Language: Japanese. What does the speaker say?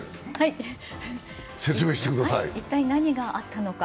一体何があったのか。